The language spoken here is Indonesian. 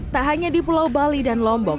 tak hanya di pulau bali dan lombok